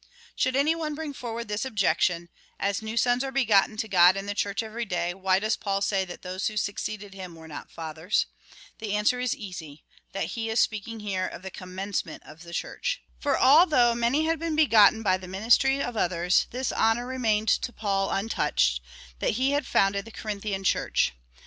^ Should any one bring forward this objection, " As new sons are begotten to God in the Church every day, why does Paul say that those who succeeded him were not fathers ?" the answer is easy — that he is here speaking of the com mencement of the Church. For although many had been begotten by the ministry of others, this honour remained to Paul untouched — that he had founded the Corinthian Church.